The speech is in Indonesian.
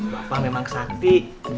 bapak memang sakti